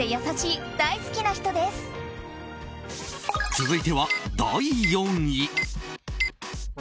続いては、第４位。